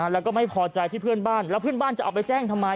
แล้วก็ไม่พอใจที่เพื่อนบ้านแล้วเพื่อนบ้านจะเอาไปแจ้งทำไม